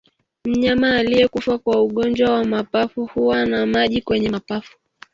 Mnyama aliyekufa kwa ugonjwa wa mapafu huwa na maji kwenye mapafu